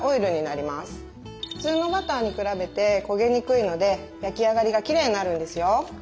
普通のバターに比べて焦げにくいので焼き上がりがきれいになるんですよ。